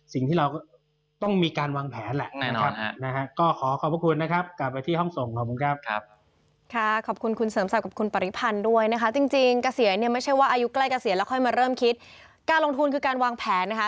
สิ่งที่เราก็ต้องมีการวางแผนแหละ